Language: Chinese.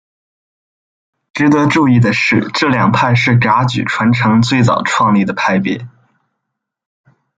值得注意的是这两派是噶举传承最早创立的派别。